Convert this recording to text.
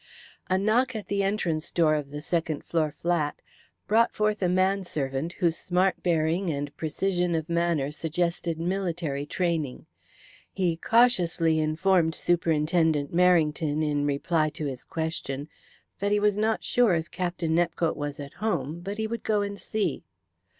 A knock at the entrance door of the second floor flat brought forth a manservant whose smart bearing and precision of manner suggested military training. He cautiously informed Superintendent Merrington, in reply to his question, that he was not sure if Captain Nepcote was at home, but he would go and see.